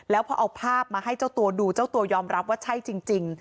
แล้วพอเอาภาพมาให้เจ้าตัวดูเจ้าตัวยอมรับว่าใช่จริง